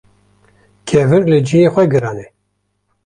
Kevir li cihê xwe giran e